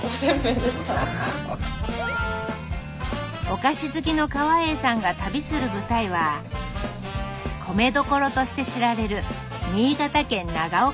お菓子好きの川栄さんが旅する舞台は米どころとして知られる新潟県長岡市。